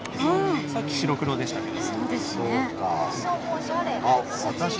さっきは白黒でしたけど。